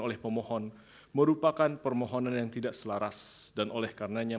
oleh pemohon merupakan permohonan yang tidak selaras dan oleh karenanya